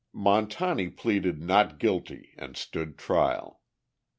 Montani pleaded "Not guilty," and stood trial.